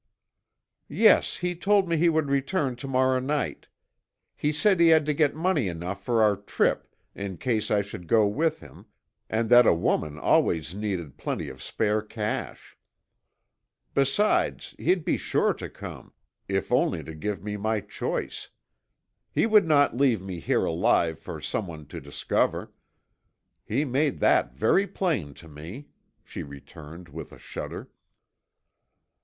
"Yes, he told me he would return to morrow night. He said he had to get money enough for our trip in case I should go with him, and that a woman always needed plenty of spare cash. Besides, he'd be sure to come, if only to give me my choice. He would not leave me here alive for someone to discover. He made that very plain to me," she returned, with a shudder.